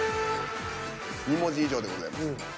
２文字以上でございます。